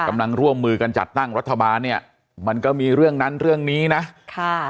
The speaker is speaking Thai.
กำลังร่วมมือกันจัดตั้งรัฐบาลเนี่ยมันก็มีเรื่องนั้นเรื่องนี้นะค่ะ